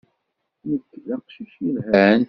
Nekk d aqcic yelhan.